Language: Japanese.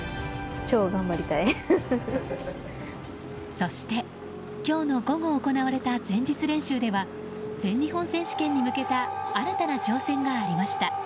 そして、今日の午後行われた前日練習では全日本選手権に向けた新たな挑戦がありました。